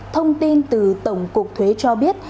thông tin từ tổng cục thuế cho biết